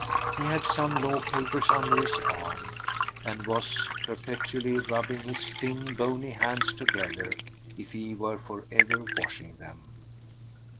He had some law papers under his arm, and he was perpetually rubbing his thin, bony hands together as if he were for ever washing them.